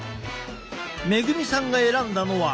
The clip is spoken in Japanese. メグミさんが選んだのは。